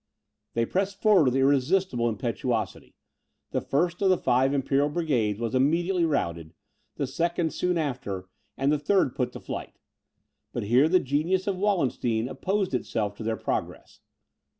They pressed forward with irresistible impetuosity; the first of the five imperial brigades was immediately routed, the second soon after, and the third put to flight. But here the genius of Wallenstein opposed itself to their progress.